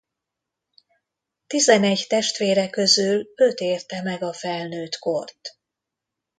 Tizenegy testvére közül öt érte meg a felnőttkort.